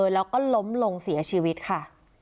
แล้วก็ล้มลงเสียชีวิตค่ะ